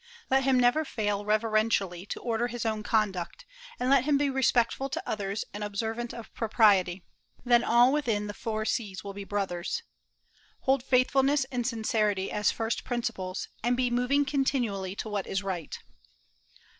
Let him never fail reverentially to order his own conduct, and let him be respectful to others and observant of propriety; then all within the four seas will be brothers.... Hold faithfulness and sincerity as first principles, and be moving continually to what is right."